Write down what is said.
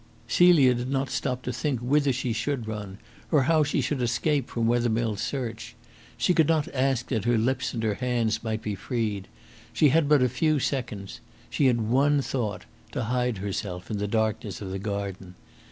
Celia did not stop to think whither she should run, or how she should escape from Wethermill's search. She could not ask that her lips and her hands might be freed. She had but a few seconds. She had one thought to hide herself in the darkness of the garden.